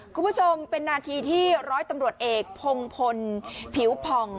คุณผู้ชมเป็นนาทีที่ร้อยตำรวจเอกพงพลผิวผ่อง